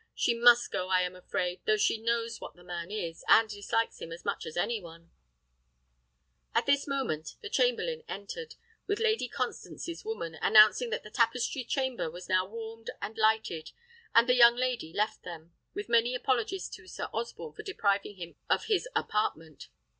"She must go, I am afraid, though she knows what the man is, and dislikes him as much as any one " At this moment the chamberlain entered, with Lady Constance's woman, announcing that the tapestry chamber was now warmed and lighted; and the young lady left them, with many apologies to Sir Osborne for depriving him of his apartment.